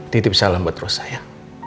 titip salam buat rosa ya